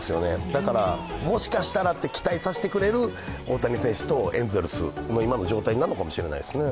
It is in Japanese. だから、もしかしたらと期待させてくれる大谷選手とエンゼルスの今の状態なのかもしれないですね。